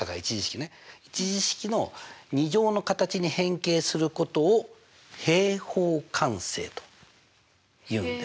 １次式の２乗の形に変形することを平方完成というんです。